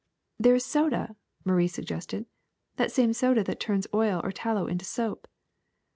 ^* ''There is soda,'^ Marie suggested, ''that same soda that turns oil or tallow into soap.''